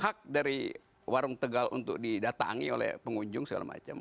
hak dari warung tegal untuk didatangi oleh pengunjung segala macam